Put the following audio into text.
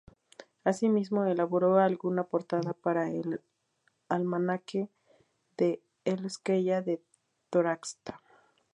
Asimismo, elaboró alguna portada para el almanaque de L'Esquella de la Torratxa.